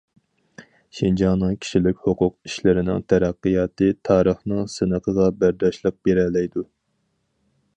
شىنجاڭنىڭ كىشىلىك ھوقۇق ئىشلىرىنىڭ تەرەققىياتى تارىخنىڭ سىنىقىغا بەرداشلىق بېرەلەيدۇ.